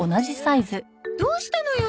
どうしたのよ？